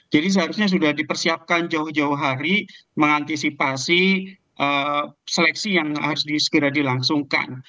jadi seharusnya sudah dipersiapkan jauh jauh hari mengantisipasi seleksi yang harus disekira dilangsungkan